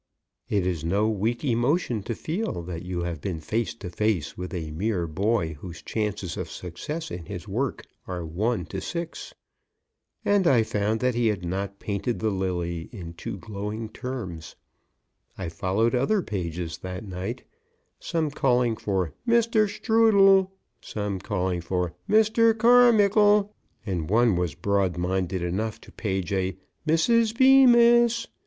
It is no weak emotion to feel that you have been face to face with a mere boy whose chances of success in his work are one to six. And I found that he had not painted the lily in too glowing terms. I followed other pages that night some calling for "Mr. Strudel," some for "Mr. Carmickle," and one was broad minded enough to page a "Mrs. Bemis."